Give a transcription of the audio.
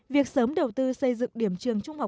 việc sớm đầu tư xây dựng điểm trường nông thôn